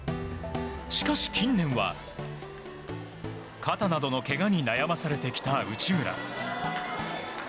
しかし近年は肩などのけがなどに悩まされてきた内村。